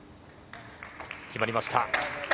決まりました。